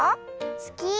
すき！